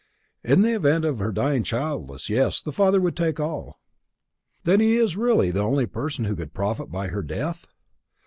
"In the event of her dying childless yes, the father would take all." "Then he is really the only person who could profit by her death?"